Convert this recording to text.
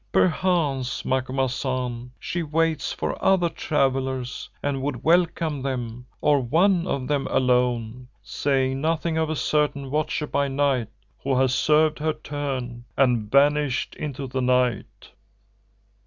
Perchance, Macumazahn, she waits for other travellers and would welcome them, or one of them alone, saying nothing of a certain Watcher by Night who has served her turn and vanished into the night.